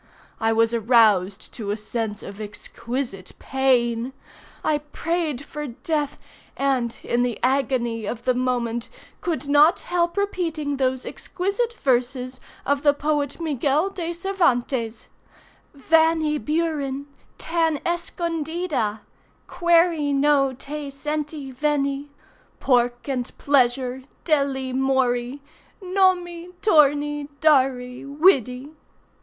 I was aroused to a sense of exquisite pain. I prayed for death, and, in the agony of the moment, could not help repeating those exquisite verses of the poet Miguel De Cervantes: Vanny Buren, tan escondida Query no te senty venny Pork and pleasure, delly morry Nommy, torny, darry, widdy!